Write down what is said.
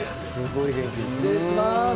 失礼します。